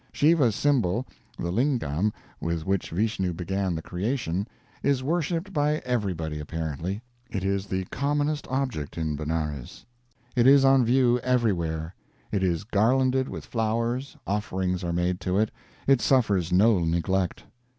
Shiva's symbol the "lingam" with which Vishnu began the Creation is worshiped by everybody, apparently. It is the commonest object in Benares. It is on view everywhere, it is garlanded with flowers, offerings are made to it, it suffers no neglect.